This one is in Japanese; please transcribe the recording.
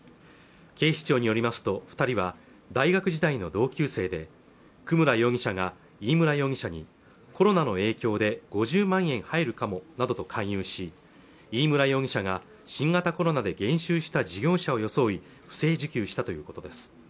警視庁によりますと二人は大学時代の同級生で久村容疑者が飯村容疑者にコロナの影響で５０万円入るかもなどと勧誘し飯村容疑者が新型コロナで減収した事業者を装い不正受給したということです